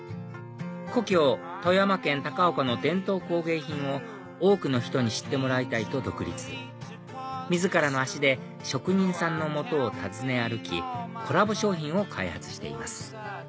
故郷富山県高岡の伝統工芸品を多くの人に知ってもらいたいと独立自らの足で職人さんの元を訪ね歩きコラボ商品を開発しています